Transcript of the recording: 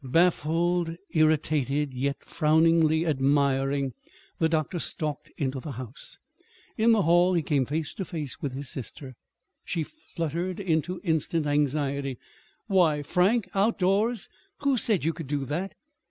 Baffled, irritated, yet frowningly admiring, the doctor stalked into the house. In the hall he came face to face with his sister. She fluttered into instant anxiety. "Why, Frank outdoors? Who said you could do that?"